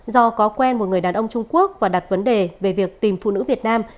do có quen một người đàn ông trung quốc và đặt vấn đề về việc tìm phụ nữ việt nam